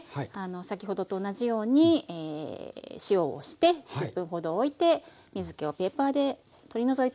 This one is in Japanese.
先ほどと同じように塩をして１０分ほどおいて水けをペーパーで取り除いたものです。